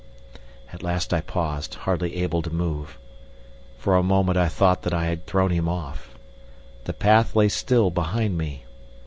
At last I paused, hardly able to move. For a moment I thought that I had thrown him off. The path lay still behind me.